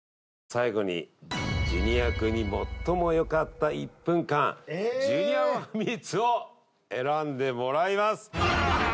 最後にジュニア君に最もよかった１分間ジュニア１ミニッツを選んでもらいます